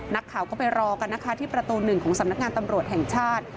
นักข่าวก็ไปรอกันนะคะที่ประตูหนึ่งของสำนักงานตำรวจแห่งชาติ